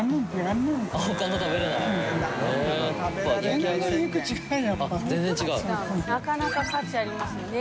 味戞なかなか価値ありますね